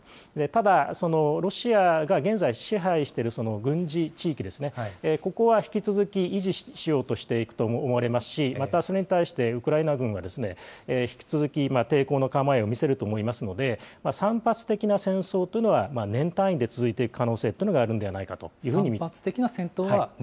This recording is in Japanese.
ただ、ロシアが現在、支配している軍事地域ですね、ここは引き続き維持しようとしていくと思われますし、またそれに対して、ウクライナ軍は引き続き抵抗の構えを見せると思いますので、散発的な戦争というのは、年単位で続いていく可能性というのがあるんではないかというふうに見ています。